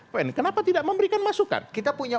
pn kenapa tidak memberikan masukan kita punya